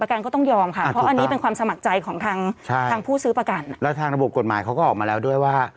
ครั้งสุดท้ายอ๋อใช่